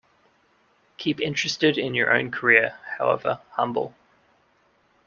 Keep interested in your own career, however humble